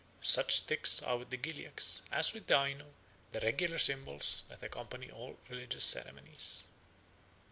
Such sticks are with the Gilyaks, as with the Aino, the regular symbols that accompany all religious ceremonies.